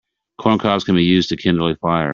Corn cobs can be used to kindle a fire.